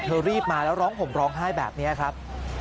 รีบมาแล้วร้องห่มร้องไห้แบบนี้ครับ